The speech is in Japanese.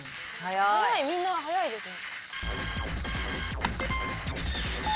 みんな早いですね。